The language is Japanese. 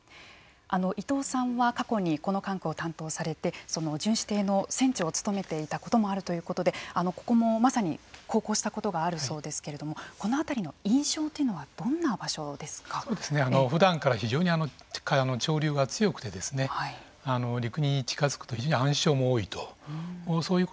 伊藤さんは過去にこの管区を担当されてその巡視艇の船長を務めていたこともあるということでここもまさに航行したことがあるそうですけれどもこの辺りの印象はふだんから非常に潮流が強くて陸に近づくと非常に暗礁も多いと。